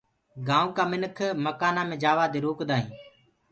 گآئونٚ ڪآ منک مڪآنآ مي جآوآ دي روڪدآ هينٚ۔